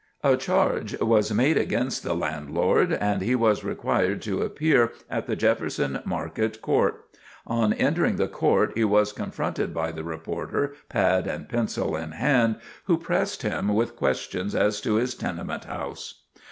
A charge was made against the landlord, and he was required to appear at the Jefferson Market Court. On entering the court he was confronted by the reporter, pad and pencil in hand, who pressed him with questions as to his tenement house.